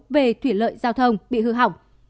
về thủy lợi giao thông bị hư hỏng